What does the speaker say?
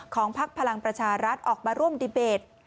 พักพลังประชารัฐออกมาร่วมดีเบต